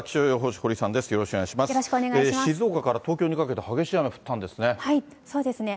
静岡から東京にかけて激しい雨、降ったんですね。